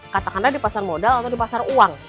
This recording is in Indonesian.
katakanlah di pasar modal atau di pasar uang